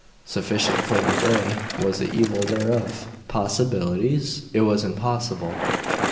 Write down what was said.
Sufficient for the day was the evil thereof. Possibilities? It was impossible....